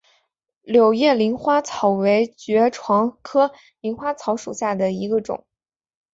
柳叶鳞花草为爵床科鳞花草属下的一个种。